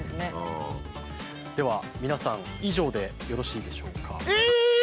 では皆さん以上でよろしいでしょうか？